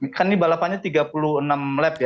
kan ini balapannya tiga puluh enam lap ya